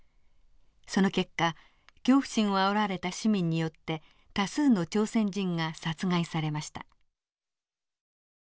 その結果恐怖心をあおられた市民によって多数の朝鮮人が殺害されました。